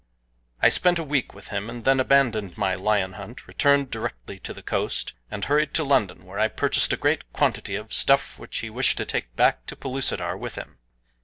I spent a week with him, and then, abandoning my lion hunt, returned directly to the coast and hurried to London where I purchased a great quantity of stuff which he wished to take back to Pellucidar with him.